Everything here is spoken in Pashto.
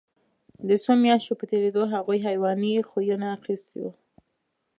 د څو میاشتو په تېرېدو هغوی حیواني خویونه اخیستي وو